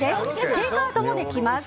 テイクアウトもできます。